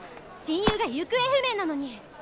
親友が行方不明なのに！